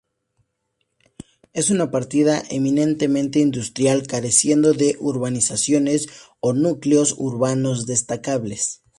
Es una partida eminentemente industrial, careciendo de urbanizaciones o núcleos urbanos destacables.